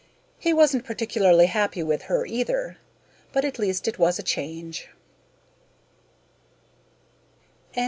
He wasn't particularly happy with her, either, but at least it was a change.